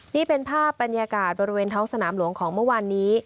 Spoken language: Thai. นี่เป็นภาพบรรยากาศบริเวณท้องสนามหลวงของเมื่อวานนี้